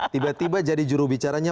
tiba tiba jadi jurubicaranya